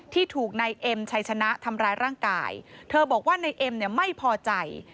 ที่ถูกนายเอ็มชัยชนะทำร้ายร่างกายเธอบอกว่าในเอ็มเนี่ยไม่พอใจ